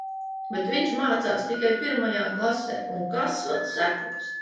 Bet viņš mācās tikai pirmajā klasē. Un, kas vēl sekos?